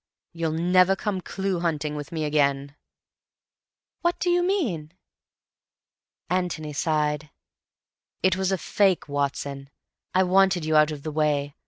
"You'll never come clue hunting with me again." "What do you mean?" Antony sighed. "It was a fake, Watson. I wanted you out of the way.